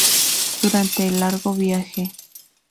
Durante el largo viaje.